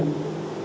xong rồi in ra